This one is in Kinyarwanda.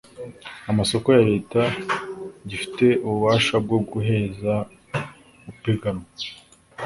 amasoko ya leta gifite ububasha bwo guheza upiganwa